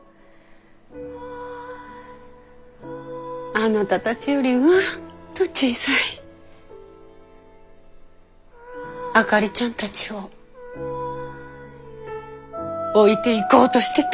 あなたたちよりうんと小さいあかりちゃんたちを置いていこうとしてた。